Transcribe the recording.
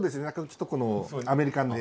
ちょっとこのアメリカンで。